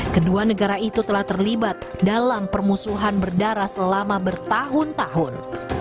kedua negara itu telah terlibat dalam permusuhan berdarah selama bertahun tahun